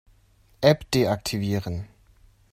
App deaktivieren.